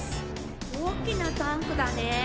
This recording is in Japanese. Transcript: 大きなタンクだね。